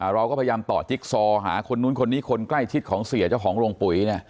เราก็พยายามต่อจิ๊กซอหาคนนู้นคนนี้คนใกล้ชิดของเสียเจ้าของโรงปุ๋ย